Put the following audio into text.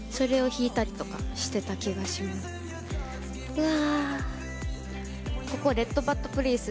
うわ！